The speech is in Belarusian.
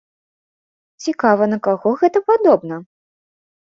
Цікава, на каго гэта падобна?